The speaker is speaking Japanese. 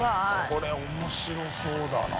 これ面白そうだな。